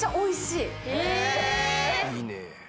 いいね。